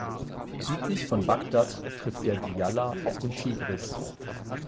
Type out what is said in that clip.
Südlich von Bagdad trifft der Diyala auf den Tigris.